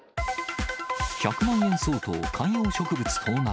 １００万円相当観葉植物盗難。